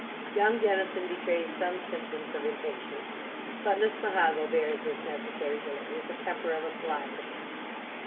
Young Dennison betrays some symptoms of impatience; but, Lismahago bears this necessary delay with the temper of a philosopher.